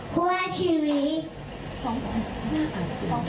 เพื่อให้ชีวิต